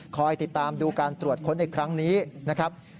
คอยติดตามดูการตรวจค้นในครั้งนี้นะครับ